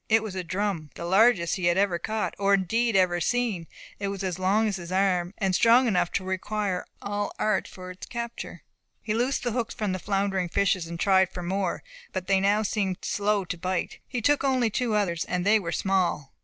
It was a drum, the largest he had ever caught, or indeed ever seen. It was as long as his arm, and strong enough to require all his art for its capture. He loosed the hooks from the floundering fishes, and tried for more. But they now seemed slow to bite. He took only two others, and they were small.